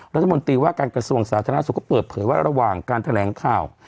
รัฐมนตรีว่าการกระทรวงสาธารณสุขก็เปิดเผยว่าระหว่างการแถลงข่าว